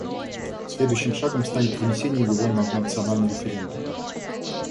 Следующим шагом станет вынесение его на национальный референдум.